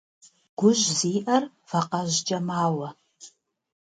Гужь зиӀэр вакъэжькӀэ мауэ.